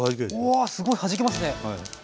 うわすごいはじけますね！